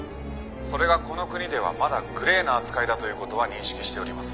「それがこの国ではまだグレーな扱いだという事は認識しております」